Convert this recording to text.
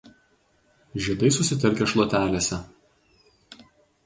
Žiedai susitelkę šluotelėse.